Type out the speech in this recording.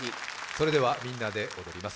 それではみんなで踊ります。